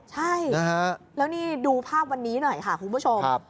ใช่แล้วนี่ดูภาพวันนี้หน่อยค่ะคุณผู้ชม